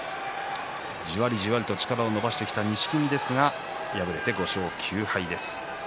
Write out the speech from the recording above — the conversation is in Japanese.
じわりじわりと力を伸ばしてきた錦木ですが敗れて５勝９敗です。